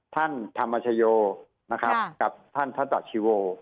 ท่านธรรมชโยคับท่านพระธาชิโว